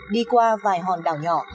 đi qua vài hòn đảo nhỏ